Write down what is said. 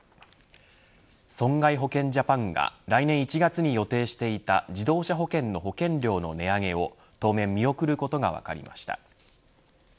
損害保険ジャパンが来年１月に予定していた自動車保険の保険料の値上げを当面見送ることが分かりました。